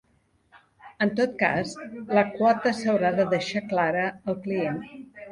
En tot cas, la quota s'haurà de deixar clara al client.